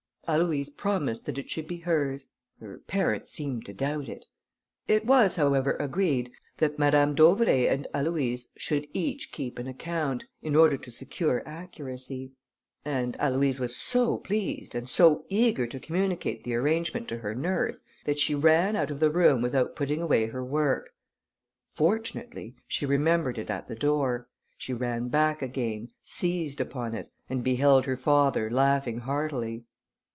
Aloïse promised that it should be hers; her parents seemed to doubt it. It was, however, agreed, that Madame d'Auvray and Aloïse should each keep an account, in order to secure accuracy. And Aloïse was so pleased, and so eager to communicate the arrangement to her nurse, that she ran out of the room without putting away her work. Fortunately, she remembered it at the door; she ran back again, seized upon it, and beheld her father laughing heartily.